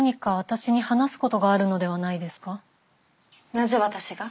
なぜ私が？